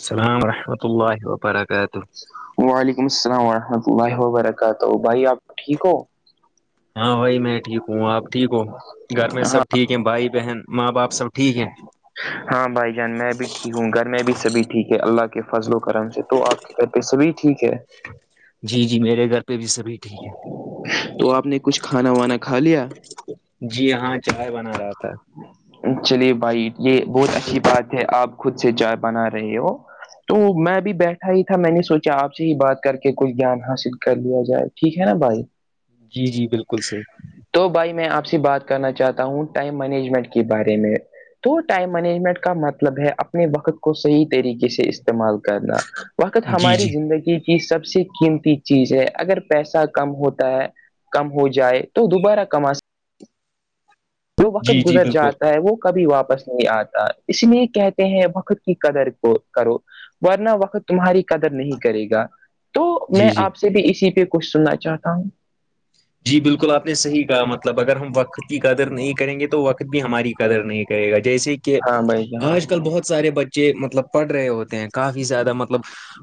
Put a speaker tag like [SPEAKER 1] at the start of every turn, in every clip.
[SPEAKER 1] السلام رحمۃ اللہ وبرکاتہ
[SPEAKER 2] وعلیکم السلام ورحمۃ اللہ وبرکاتہ بھائی آپ ٹھیک ہو
[SPEAKER 1] ہاں بھائی میں ٹھیک ہوں آپ ٹھیک ہو گھر میں سب
[SPEAKER 2] ہاں
[SPEAKER 1] ٹھیک بھائی بہن ماں باپ سب ٹھیک ہیں
[SPEAKER 2] ہاں بھائی جان میں بھی ٹھیک ہوں گھر میں بھی سبھی ٹھیک ہے اللہ کے فضل و کرم سے تو آپ کے گھر کے سبھی ٹھیک ہے
[SPEAKER 1] جی جی میرے گھر پہ بھی سبھی ٹھیک ہے
[SPEAKER 2] تو آپ نے کچھ کھانا وانا کھا لیا
[SPEAKER 1] جی ہاں چائے بنا رہا تھا
[SPEAKER 2] چلیے بھائی یہ بہت اچھی بات ہے آپ خود سے چاۓ بنا رہے ہو تو میں ابھی بیٹھا ہی تھا میں نے سوچا آپ سے ہی بات کر کے کوئی گیان حاصل کر لیا جائے ٹھیک ہے نا بھائی
[SPEAKER 1] جی جی بالکل صحیح
[SPEAKER 2] تو بھائی میں آپ سے بات کرنا چاہتا ہوں ٹائم مینجمنٹ کے بارے میں تو ٹائم مینجمنٹ کا مطلب ہے اپنے وقت کو صحیح طریقے سے استعمال کرنا وقت
[SPEAKER 1] جی
[SPEAKER 2] ہماری
[SPEAKER 1] جی
[SPEAKER 2] زندگی کی سب سے قیمتی چیز ہے اگر پیسہ کم ہوتا ہے کم ہو جائے تو دوبارہ کماسکتے تو وقت
[SPEAKER 1] جی جی
[SPEAKER 2] گزر
[SPEAKER 1] بالکل
[SPEAKER 2] جاتا ہے وہ کبھی واپس نہیں آتا اس لیے کہتے ہیں وقت کی قدر کو کرو ورنہ وقت تمہاری قدر نہیں کرے گا تو
[SPEAKER 1] جی
[SPEAKER 2] میں
[SPEAKER 1] جی
[SPEAKER 2] آپ سے بھی اسی پہ کچھ سننا چاہتا ہوں
[SPEAKER 1] جی بالکل آپ نے صحیح کہا مطلب اگر ہم وقت کی قدر نہیں کریں گے تو وقت بھی ہماری قدر نہیں کرے گا جیسے کہ
[SPEAKER 2] ہاں بھائی جان
[SPEAKER 1] آج کل بہت سارے بچے مطلب پڑھ رہے ہوتے ہیں کافی زیادہ مطلب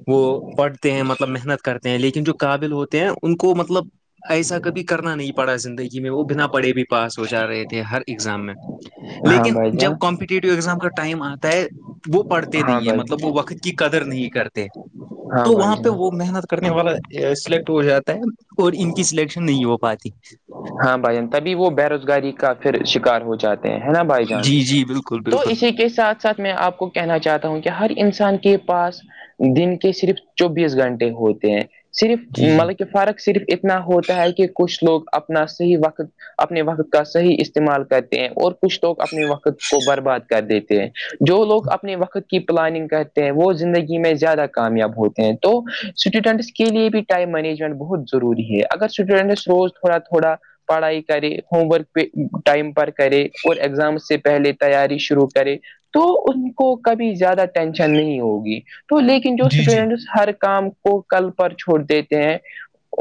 [SPEAKER 1] وہ پڑھتے ہیں مطلب محنت کرتے ہیں لیکن جو قابل ہوتے ہیں ان کو مطلب ایسا کبھی کرنا نہیں پڑا زندگی میں وہ بنا پڑھے بھی پاس ہو جا رہے تھے ہر ایگزام میں
[SPEAKER 2] ہاں
[SPEAKER 1] لیکن
[SPEAKER 2] بھائی جان
[SPEAKER 1] جب کمپٹیٹیو ایگزام کا ٹائم آتا ہے وہ پڑھتے
[SPEAKER 2] ہاں
[SPEAKER 1] نہیں ہے
[SPEAKER 2] بھائی
[SPEAKER 1] مطلب وہ وقت کی قدر نہیں کرتے
[SPEAKER 2] ہاں
[SPEAKER 1] تو
[SPEAKER 2] بھائی
[SPEAKER 1] وہاں پہ
[SPEAKER 2] جان
[SPEAKER 1] وہ محنت کرنے والا ا سلیکٹ ہو جاتا ہے اور ان کی سلیکشن نہیں ہو پاتی
[SPEAKER 2] ہاں بھائیجان تبھی وہ بے روزگاری کا پھر شکار ہو جاتا ہیں نا بھائی جان
[SPEAKER 1] جی جی بالکل
[SPEAKER 2] تو
[SPEAKER 1] بالکل
[SPEAKER 2] اسی کے ساتھ ساتھ میں آپ کو کہنا چاہتا ہوں کہ ہر انسان کے پاس دن کے صرف چوبیس گھنٹے ہوتے ہیں صرف
[SPEAKER 1] جی جی
[SPEAKER 2] مطلب کہ فرق صرف اتنا ہوتا ہے کہ کچھ لوگ اپنا صحیح وقت اپنے وقت کا صحیح استعمال کرتے ہیں اور کچھ لوگ اپنے وقت کو برباد کر دیتے ہیں جو لوگ اپنے وقت کی پلاننگ کرتے ہیں وہ زندگی میں زیادہ کامیاب ہوتے ہیں تو اسٹوڈنٹس کے لیے بھی ٹائم مینجمنٹ بہت ضروری ہے اگر اسٹوڈنٹس روز تھوڑا تھوڑا پڑھائی کرے ہوم ورک پے ٹائم پر کرے اور ایگزام سے پہلے تیاری شروع کرے تو ان کو کبھی زیادہ ٹینشن نہیں ہوگی تو لیکن جو
[SPEAKER 1] جی جی
[SPEAKER 2] اسٹوڈنٹس ہر کام کو کل پر چھوڑ دیتے ہیں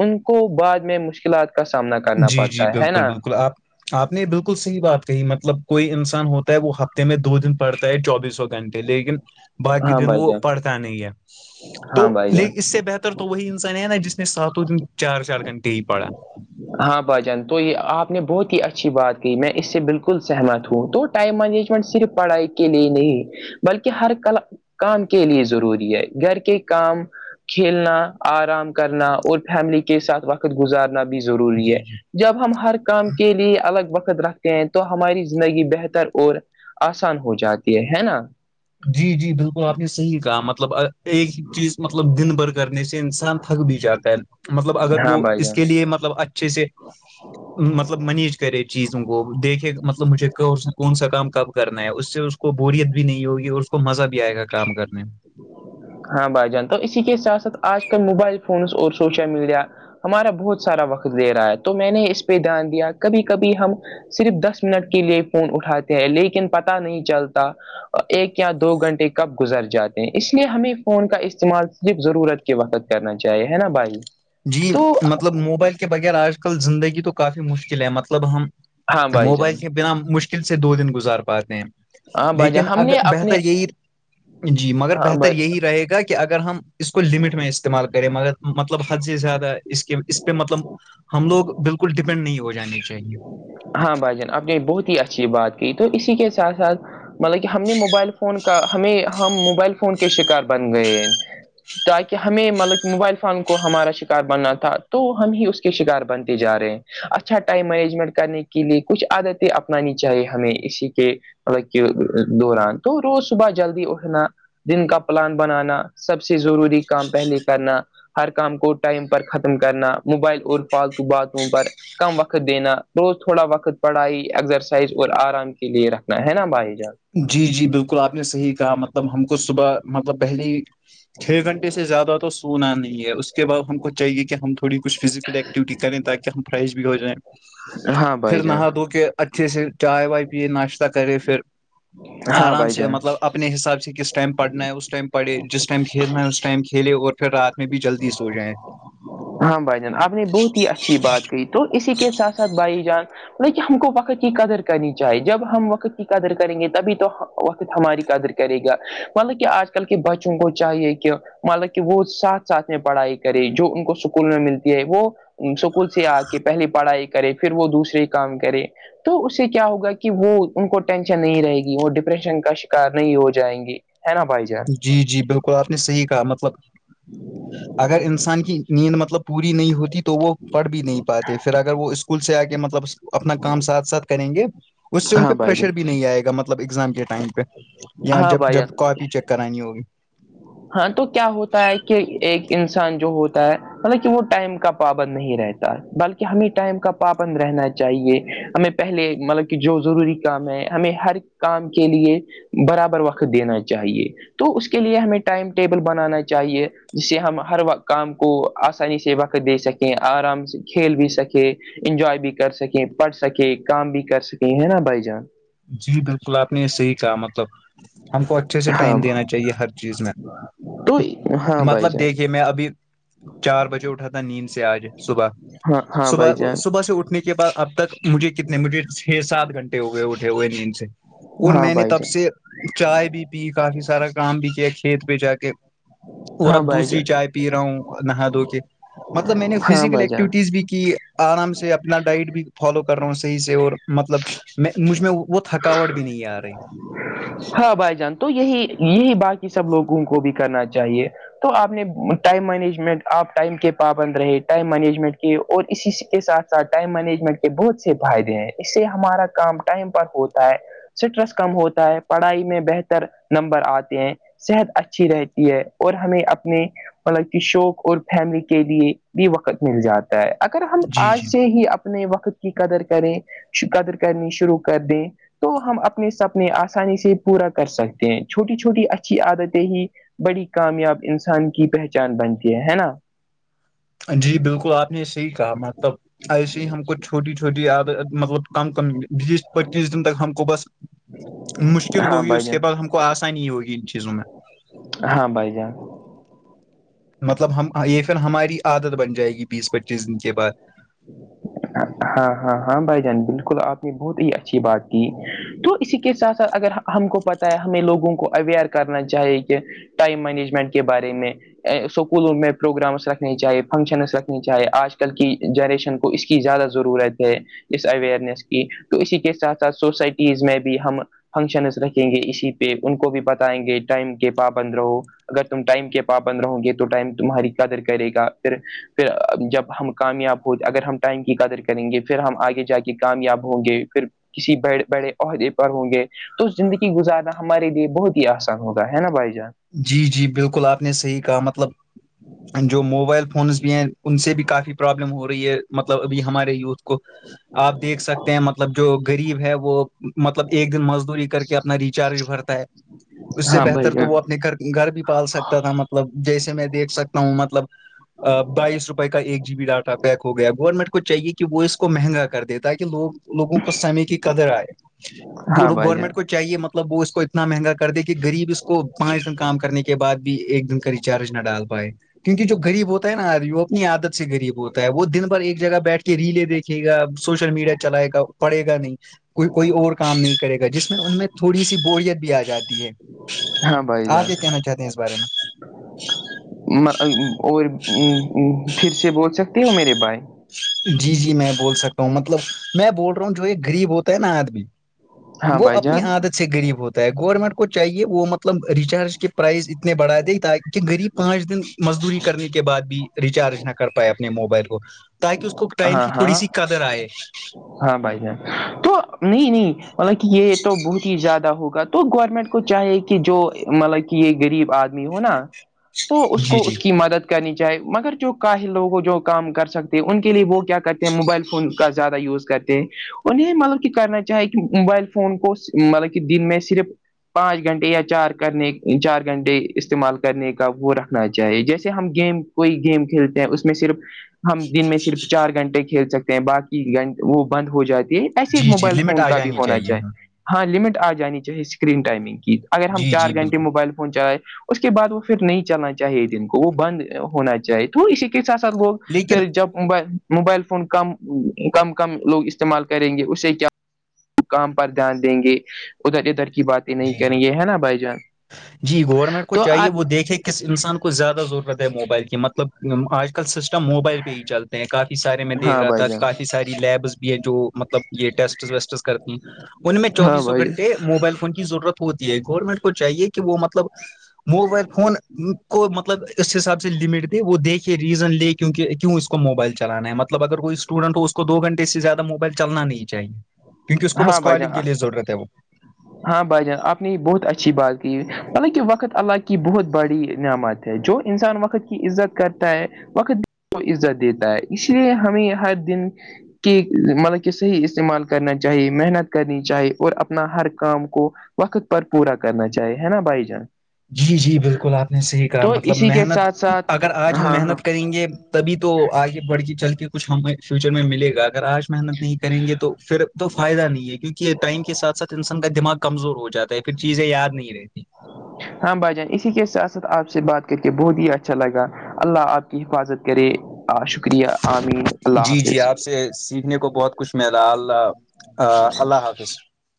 [SPEAKER 2] ان کو بعد میں مشکلات کا سامنا کرنا
[SPEAKER 1] جی، جی،
[SPEAKER 2] پڑتا ہے ہے
[SPEAKER 1] بالکل،
[SPEAKER 2] نا
[SPEAKER 1] بالکل آپ آپ نے بالکل صحیع بات کہی مطلب کوئی انسان ہوتا ہے وہ ہفتے میں دو دن پڑتا ہے چوبیس ہو گھنٹے لیکن باکی
[SPEAKER 2] ہاں
[SPEAKER 1] دن
[SPEAKER 2] بھائی
[SPEAKER 1] وہ
[SPEAKER 2] جان
[SPEAKER 1] پڑتا نہیں ہے
[SPEAKER 2] ہاں
[SPEAKER 1] تو
[SPEAKER 2] بھائی جان
[SPEAKER 1] لے اس سے بہتر تو تو وہی انسان ہے نا جس نے ساتوں دن چار چار گھنٹے ہی پڑا
[SPEAKER 2] ہاں باجان تو یے آپ نے بہت ہی اچھی بات کہی میں اس سے بالکل سہمت ہوں تو ٹائم مینجمنٹ صرف پڑھائی کے لیے نہیں بلکہ ہر کلا کام کے لیے ضروری ہے گر کے کام کھیلنا آرام کرنا اور پھیملی کے ساتھ وقت گزارنا بھی ضروری ہے
[SPEAKER 1] جی، جی۔
[SPEAKER 2] جب ہم ہر کام کے لیے الگ وقت رکھتے ہیں تو ہماری زندگی بہتر اور آسان ہو جاتی ہے ہے نا
[SPEAKER 1] جی جی بالکل آپ نے صحیح کہا مطلب آ ایک چیز مطلب دن بھر کرنے سے انسان تھک بھی جاتا ہے مطلب اگر
[SPEAKER 2] ہاں
[SPEAKER 1] وہ
[SPEAKER 2] بھائی جان
[SPEAKER 1] اس کے لیے مطلب اچھا اچھے سے مطلب مینج کرے چیزوں کو دیکھے مطلب مجھے کفسا کون سا کام کب کرنا ہے اس سے اس کو بوریت بھی نہیں ہوگی اس کو مزہ بھی آئے گا کام کرنے میں
[SPEAKER 2] ہاں بھائی جان تو اسی کے ساتھ ساتھ آج کل موبائل فونس اور سوشل میڈیا ہمارا بہت سارا وقت لے رہا ہے تو میں نے اس پے دھیان دیا کبھی کبھی ہم صرف دس منٹ کے لیے فون اٹھاتے ہیں لیکن پتا نہیں چلتا ایک یا دو گھنٹے کب گزر جاتے اس لیے ہمیں فون کا استعمال صرف ضرورت کے وقت کرنا چاہیے ہے نا بھائی
[SPEAKER 1] جی
[SPEAKER 2] تو
[SPEAKER 1] مطلب موبائل کے بغیر آج کل زندگی تو کافی مشکل ہے مطلب ہم
[SPEAKER 2] ہاں بھائی
[SPEAKER 1] موبائل
[SPEAKER 2] جان
[SPEAKER 1] کے بنا مشکل سے دو دن گزار پاتے ہیں
[SPEAKER 2] ہاں بھائی جان
[SPEAKER 1] لیکن
[SPEAKER 2] ہم نے
[SPEAKER 1] اگر
[SPEAKER 2] اپنے
[SPEAKER 1] بہتر یہی جی مگر
[SPEAKER 2] ہاں
[SPEAKER 1] بہتر
[SPEAKER 2] بھائی
[SPEAKER 1] یہی رہے گا کہ اگر ہم اس کو لمٹ میں استعمال کریں مگر مطلب حد سے زیادہ اس کے اس پے مطلب ہم لوگ بالکل ڈیپینڈ نہیں ہو جانے چاہیے
[SPEAKER 2] ہاں بھائی جان آپ نے بہت ہی اچھی بات کی تو اسی کے ساتھ ساتھ مطلب کی ہم نے موبائل فون کا ہمیں ہم موبائل فون کے شکار بن گئے ہیں تاکہ ہمیں مطلب کہ موبائل فون کو ہمارا شکار بننا تھا تو ہم ہی اس کے شکار بنتے جا رہے ہیں اچھا ٹائم مینجمنٹ کرنے کے لیے کچھ عادتیں اپنانی چاہیے ہمیں اسی کے مطلب کہ دوران تو روز صبح جلدی اٹھنا دن کا پلان بنانا سب سے ضروری کام پہلے کرنا ہر کام کو ٹائم پر ختم کرنا موبائل اور فالتو باتوں پر کم وقت دینا روز تھوڑا وقت پڑھائی ایکزرسائز اور آرام کے لیے رکھنا ہے نا بھائی جان
[SPEAKER 1] جی جی بالکل آپ نے صحیح کہا مطلب ہم کو صبح مطلب پہلی چھے گھنٹے سے زیادہ تو سونا نہیں ہے اس کے بعد ہم کو چاہیے کی ہم تھوڑی کچھ فزیکل ایکٹیویٹی کریں تاکہ ہم فریش بھی ہو جائیں
[SPEAKER 2] ہاں
[SPEAKER 1] پھر
[SPEAKER 2] بھائی جان
[SPEAKER 1] نہا دھو کے اچھے سے چائے وائے پیے ناشتہ کرے فیر
[SPEAKER 2] ہاں
[SPEAKER 1] آرام
[SPEAKER 2] بھائی
[SPEAKER 1] سے
[SPEAKER 2] جان
[SPEAKER 1] مطلب اپنے حساب سے کس ٹائم پڑھنا ہے اس ٹائم پڑھے جس ٹائم کھیلنا ہے اس ٹائم کھیلے اور پھر رات میں بھی جلدی سو جائیں
[SPEAKER 2] ہاں بھائی جان آپ نے بہت ہی اچھی بات کہی تو اسی کے ساتھ ساتھ بھائی جان ملب کی ہم کو وقت کی قدر کرنی چاہیے جب ہم وقت کی قدر کریں گے تبھی تو وقت ہماری قدر کرے گا مطلب کی آج کل کے بچوں کو چاہیے کی مطلب کہ وہ ساتھ ساتھ میں پڑھائے کرے جو ان کو سکول میں ملتی ہے وہ سکول سے آ کے پہلی پڑھائی کرے پھر وہ دوسرے کام کرے تو اس سے کیا ہوگا کی وہ ان کو ٹینشن نہیں رہے گی وہ ڈپریشن کا شکار نہیں ہو جائیں گی ہے نا بھائی جان
[SPEAKER 1] جی جی بالکل آپ نے صحیح کہا مطلب اگر انسان کی نیند مطلب پوری نہیں ہوتی تو وہ پڑھ بھی نہیں پاتے پھر اگر وہ اسکول سے آ کے مطلب اپنا کام ساتھ ساتھ کریں گے اس سے ان
[SPEAKER 2] ہاں
[SPEAKER 1] پے
[SPEAKER 2] بھائی
[SPEAKER 1] پریشر بھی
[SPEAKER 2] جان
[SPEAKER 1] نہیں آئے گا مطلب ایگزام کے ٹائم پے یا
[SPEAKER 2] ہاں
[SPEAKER 1] جب
[SPEAKER 2] بھائی
[SPEAKER 1] جب
[SPEAKER 2] جان
[SPEAKER 1] کاپی چیک کرانی ہوگی
[SPEAKER 2] ہاں تو کیا ہوتا ہے کہ ایک انسان جو ہوتا ہے مطلب کی وہ ٹائم کا پابند نہیں رہتا بلکہ ہمیں ٹائم کا پابند رہنا چاہیے ہمیں پہلے مطلب کہ جو ضروری کام ہے ہمیں ہر کام کے لیے برابر وقت دینا چاہیے تو اس کے لیے ہمیں ٹائم ٹیبل بنانا چاہیے جس سے ہم ہروقت کام کو آسانی سے وقت دے سکیں آرام سے کھیل بھی سکیں انجوائے بھی کر سکیں پڑھ سکے کام بھی کر سکیں ہے نا بھائی جان
[SPEAKER 1] جی بالکل آپ نے یہ صحیح کہا مطلب ہم کو اچھے سے
[SPEAKER 2] ہاں
[SPEAKER 1] ٹائم دینا چاہیے ہر چیز میں
[SPEAKER 2] تو ہاں بھائی
[SPEAKER 1] مطلب
[SPEAKER 2] جان
[SPEAKER 1] دیکھیے میں ابھی چار بجے اٹھا تھا نیند سے آج صبح
[SPEAKER 2] ہاں ہاں
[SPEAKER 1] صبح
[SPEAKER 2] بھائی جان
[SPEAKER 1] صبح سے اٹھ کے بعد اب تک مجھے کتنے مجھے چھ سات گھنٹے ہو گئے ہوٹے سے اور
[SPEAKER 2] ہاں
[SPEAKER 1] میں نے
[SPEAKER 2] بھائی
[SPEAKER 1] تب
[SPEAKER 2] جان
[SPEAKER 1] سے چائے بھی پی کافی سارا کام بھی کیا کھیت پہ جا کے اور
[SPEAKER 2] ہاں
[SPEAKER 1] اب
[SPEAKER 2] بھائی
[SPEAKER 1] دوسری
[SPEAKER 2] جان
[SPEAKER 1] چائے پی رہا ہوں نہا دھو کے مطلب میں نے
[SPEAKER 2] ہاں
[SPEAKER 1] فزیکل
[SPEAKER 2] بھائی جان
[SPEAKER 1] ایکٹیوٹیز بھی کی آرام سے اپنا ڈائٹ بھی فالو کر رہا ہوں صحیح سے اور مطلب میں مجھ میں تھکاوٹ بھی نہیں آ رہی
[SPEAKER 2] ہاں بھائی جان تو یہی یہی باقی سب لوگوں کو بھی کرنا چاہیے تو آپ نے ٹائم مینجمنٹ آپ ٹائم کے پابند رہے ٹائم مینجمنٹ کیے اور اسی کے ساتھ ٹائم مینجمنٹ کے بہت سے فائدے ہیں اس سے ہمارا کام ٹائم پر ہوتا ہے سٹرس کم ہوتا ہے پڑھائی میں بہتر نمبر آتے ہیں صحت اچھی رہتی ہے اور ہمیں اپنے مطلب کہ شوق اور فیملی کے لیے بھی وقت مل جاتا ہے اگر ہم
[SPEAKER 1] جی
[SPEAKER 2] آج
[SPEAKER 1] جی
[SPEAKER 2] سے ہی اب اپنے وقت کی قدر کریں قدر کرنی شروع کر دیں تو ہم اپنے سپنے آسانی سے پورا کر سکتے ہیں چھوٹی چھوٹی اچھی عادتیں ہی بڑی کامیاب انسان کی پہچان بنتی ہے نا
[SPEAKER 1] جی بالکل آپ نے صحیح کہا مطلب ایسے ہی ہم کو چھوٹی چھوٹی عادت مطلب کمم بیس پچیس دن تک ہم کو بس مشکل
[SPEAKER 2] ہاں
[SPEAKER 1] ہوگی
[SPEAKER 2] بھائی
[SPEAKER 1] اس کے
[SPEAKER 2] جان
[SPEAKER 1] بعد ہم کو آسانی ہوگی ان چیزوں میں
[SPEAKER 2] ہاں بھائی جان
[SPEAKER 1] مطلب ہم یہ پھر ہماری عادت بن جائے گی بیس پچیس دن کے بعد
[SPEAKER 2] ہاں ہاں ہاں بھائی جان بالکل آپ نے بہت ہی اچھی بات کی تو اسی کے ساتھ ساتھ اگر ہم کو پتاہ ہے ہمیں لوگوں کو اویئر کرنا چاہیے کہ ٹائم مینجمنٹ کے بارے میں اسکولوں میں پروگرامس رکھنے چاہیے فنکشنس رکھنی چاہیے آج کل کی جنریشن اس کی زیادہ ضرورت ہے اس اوئیرنیس کی تو اسی کے ساتھ ساتھ سوسائٹیز میں بھی ہم فنکشنز رکھیں گے اسی پہ ان کو بھی بتائیں گے ٹائم کے پابند رہو اگر تم ٹائم کے پابند رہو گے تو ٹائم تمہاری قدر کرے گا پھر پھر جب ہم کامیاب ہو اگر ہم ٹائم کی قدر کریں گے پھر ہم آگے جا کے کامیاب ہوں گے پھر کسی بڑے بڑے عہدے پر ہوں گے تو زندگی گزارنا ہمارے لیے بہت ہی آسان ہوتا ہے نا بھائی جان
[SPEAKER 1] جی جی بالکل آپ نے صحیح کہا مطلب جو موبائل فونس بھی ہیں ان سے بھی کافی پرابلم ہو رہی ہے مطلب ابھی ہمارے یوتھ کو آپ دیکھ سکتے ہیں مطلب جو غریب ہے وہ مطلب ایک دن مزدوری کر کے اپنا ریچارج بھرتا ہے اس سے
[SPEAKER 2] ہاں بھائی
[SPEAKER 1] بہتر تو
[SPEAKER 2] جان
[SPEAKER 1] وہ کر گھر بھی پال سکتا تھا مطلب جیسے میں دیکھ سکتا ہوں مطلب بائیس روپے کا ایک جی بی ڈاٹا پیک ہو گیا گورنمنٹ کو چاہیے کہ وہ اس کو مہنگا کر دیتا تاکہ لوگ لوگوں کو سمے کی قدر آئے
[SPEAKER 2] ہاں
[SPEAKER 1] گر
[SPEAKER 2] بھائی
[SPEAKER 1] گنمنٹ
[SPEAKER 2] جان
[SPEAKER 1] کو چاہیے مطلب وہ اس کو اتنا مہنگا کر دے کہ غریب اس کو پانچ دن کام کرنے کے بعد بھی ایک دن کا ریچارج نہ ڈال پائے کیونکہ جو غریب ہوتا ہے نا آدمی وہ اتنی عادت سے غریب ہوتا ہے وہ دن بھر ایک جگہ بیٹھ کے ریلے دیکھے گا سوشل میڈیا چلائے گا پڑے گا نہیں کوئی کوئی اور کام نہیں کرے گا جس میں ان میں تھوڑی سی بوریت بھی آ جاتی ہے
[SPEAKER 2] ہاں بھائی
[SPEAKER 1] آپ
[SPEAKER 2] جان
[SPEAKER 1] کیا کہنا چاہتے ہیں اس بارے
[SPEAKER 2] اور پھر سے بول سکتی ہو میرے بھائی
[SPEAKER 1] جی جی میں بول سکتا ہوں مطلب میں بول رہا ہوں جو ایک غریب ہوتا ہے نا آدمی
[SPEAKER 2] ہاں
[SPEAKER 1] وہ
[SPEAKER 2] بھائی
[SPEAKER 1] اپنی
[SPEAKER 2] جان
[SPEAKER 1] عادت سے غریب ہوتا ہے گورنمنٹ کو چاہیے وہ مطلب ریچارج کے پرائز اتنے بڑھا دے تاکہ غریب پانچ دن مزدوری کرنے کے بعد بھی ریچارج نہ کر پائے اپنے موبائل کو تاکہ اس کو ٹائم
[SPEAKER 2] ہاں
[SPEAKER 1] کی
[SPEAKER 2] ہاں
[SPEAKER 1] تھوڑی سی قدر آئے
[SPEAKER 2] ہاں بھائی جان توھ نہیں نہیں مطلب کہ یہ تو بہت ہی زیادہ ہوگا تو گورنمنٹ کو چاہے کہ جو مطلب کہ کہ یہ غریب آدمی ہو نا
[SPEAKER 1] شھ
[SPEAKER 2] تو اس کو اس کی مدد کرنی چاہے مگر جو کااہل لوگوں جو کام کر سکتے ان کے لیے وہ کیا کہتے ہیں موبائل فون زیادہ یوز کرتے ہیں انہیں مطلب کہ کرنا چاہے کہ موبائل فون کو مطلب کہ دن میں صرف پانچ گھنٹے یا چار کرنے چار گھنٹے استعمال کرنے کا وہ رکھنا چاہیے جیسے ہم گیم کوئی گیم کھیلتے ہیں اس میں صرف ہم دن میں صرف چار گھنٹے کھیل سکتے ہیں باقی گھنٹ وہ بند ہو جاتی ہے ایسے
[SPEAKER 1] جی جی
[SPEAKER 2] موبائل
[SPEAKER 1] لمٹ
[SPEAKER 2] فون
[SPEAKER 1] آ
[SPEAKER 2] کا بھی
[SPEAKER 1] جانی
[SPEAKER 2] ہونا
[SPEAKER 1] ہاں
[SPEAKER 2] چاہیے ہاں لمٹ آ جانی چاہے اسکرین ٹائمنگ کی اگر ہم
[SPEAKER 1] جی
[SPEAKER 2] چار
[SPEAKER 1] جی
[SPEAKER 2] گھنٹے
[SPEAKER 1] بالکل
[SPEAKER 2] موبائل فون چلائے اس کے بعد وہ پھر نہیں چلنا چاہے دن کو وہ بند ہونا چاہے تو اسی کے ساتھ ساتھ وہ
[SPEAKER 1] لیکن
[SPEAKER 2] جب موبائل فون کم کم کم لوگ استعمال کریں گے اس سے کیا کام پر دھیان دیں گے ادھر ادھر کی بات نہیں
[SPEAKER 1] جی جی
[SPEAKER 2] کریں گے ہے نا بھائی جان
[SPEAKER 1] جی گورنمنٹ کو
[SPEAKER 2] تو
[SPEAKER 1] چاہیے
[SPEAKER 2] آپ
[SPEAKER 1] وہ دیکھے کس انسان کو زیادہ ضرورت ہے موبائل کی مطلب آج کل سسٹم موبائل پہ ہی چلتے ہیں کافی سارے میں دیکھ
[SPEAKER 2] ہاں
[SPEAKER 1] رہا تھا
[SPEAKER 2] بھائی جان
[SPEAKER 1] کافی ساری لیبس بھی ہیں جو مطلب یہ ٹیسٹ ویسٹس کرتی ہیں ان میں
[SPEAKER 2] ہاں
[SPEAKER 1] چوبیسوں
[SPEAKER 2] بھائی
[SPEAKER 1] گھنٹے موبائل فون کی ضرورت ہوتی ہے گورنمنٹ کو چاہیے کہ وہ مطلب موبائل فون کو مطلب اس حساب سے لمٹ دے وہ دیکھ ریزن لے کیونک کیوں اس کو موبائل چلانا ہے مطلب اگر کوئی اسٹوڈٹ ہو اس کو دو گنٹے سے زیادہ موبائل چلنا نہیں چاہیے کیونکہ اس کو
[SPEAKER 2] جان ہاں
[SPEAKER 1] بس
[SPEAKER 2] بھائی
[SPEAKER 1] کالنگ
[SPEAKER 2] جان
[SPEAKER 1] کے لیے ضرورت ہے وہ
[SPEAKER 2] ہاں بھائی جان آپ نے یہ بہت اچھی بات کی مطلب کہ وقت اللہ کی بہت بڑی نعمت جو انسان وقت کی عزت کرتا ہے وقت کو عزت دیتا ہے اس لیے ہمیں ہر دن کی مگر کسی استعمال کرنا چاہیے محنت کرنی چاہیے اور اپنا ہر کام کو وقت پر پورا کرنا چاہیے ہے نا بھائی جان
[SPEAKER 1] جی جی بالکل آپ نے صحیح کہا
[SPEAKER 2] تو
[SPEAKER 1] مطلب
[SPEAKER 2] اسی کے
[SPEAKER 1] محنت
[SPEAKER 2] ساتھ ساتھ
[SPEAKER 1] اگر آج ہم
[SPEAKER 2] ہاں ہاں
[SPEAKER 1] محنت کریں گے تبھی تو آگے بڑھ کے چل کے کچھ ہمیں فیوچر میں ملے گا اگر آج محنت نہیں کریں گے تو پھر تو فائدہ نہیں ہے کیونکہ ٹائم کے سات ساتھ انسان کا دماغ کمزور ہو جاتا ہے پھر چیزیں یاد نہیں رہتی
[SPEAKER 2] ہاں بھائی جان اسی کے ساتھ ساتھ آپ سے بات کر کے بہت ہی اچھا لگا اللہ آپ کی حفاظت کرے شکریہ آمین اللہ
[SPEAKER 1] جی جی
[SPEAKER 2] حافظ
[SPEAKER 1] آپ سے سیکھنے کو بہت کچھ ملا اللہ ا اللہ حافظ